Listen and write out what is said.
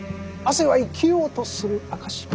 汗は生きようとする証し。